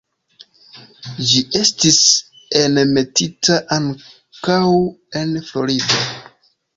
Ĝi estis enmetita ankaŭ en Florido.